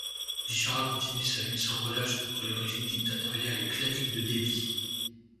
Bichara continue sa lutte sans relâche contre le régime dictatorial et clanique de Deby.